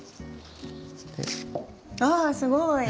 あっすごい！